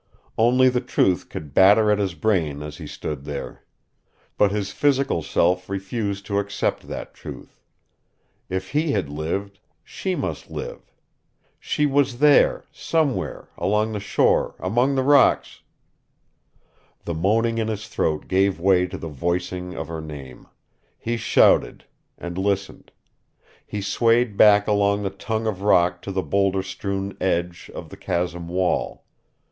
Only the truth could batter at his brain as he stood there. But his physical self refused to accept that truth. If he had lived, she must live! She was there somewhere along the shore among the rocks The moaning in his throat gave way to the voicing of her name. He shouted, and listened. He swayed back along the tongue of rock to the boulder strewn edge of the chasm wall.